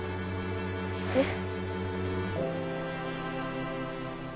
えっ？